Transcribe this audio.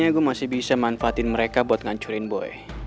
saya masih bisa manfaatin mereka buat ngancurin boy